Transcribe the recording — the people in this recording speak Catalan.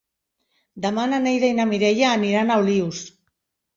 Demà na Neida i na Mireia aniran a Olius.